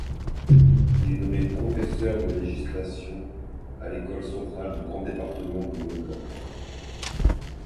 Il est nommé professeur de législation à l'École centrale du département du Mont-Blanc.